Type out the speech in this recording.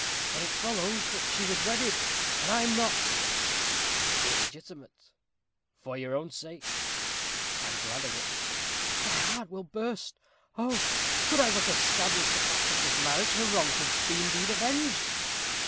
"Then it follows that she was wedded, and I am not " "Illegitimate. For your own sake I am glad of it." "My heart will burst. Oh! could I but establish the fact of this marriage, her wrongs would be indeed avenged."